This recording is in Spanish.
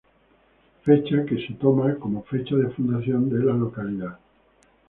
Fecha, que es tomada como fecha de fundación de la localidad.